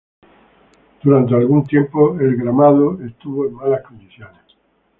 Durante algún tiempo el gramado estuvo en malas condiciones.